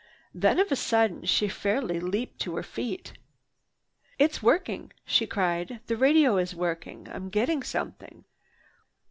Then of a sudden she fairly leaped to her feet. "It's working!" she cried. "The radio is working! I'm getting something.